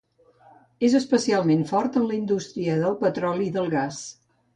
És especialment fort en la indústria del petroli i del gas.